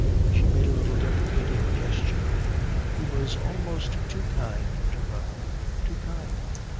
She made a little deprecating gesture. He was almost too kind to her; too kind.